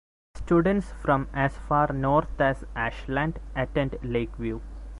Students from as far north as Ashland attend Lakeview.